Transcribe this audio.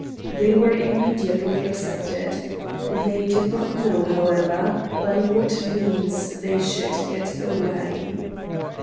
They were immediately accepted. They did not know, however, by what means they should get away.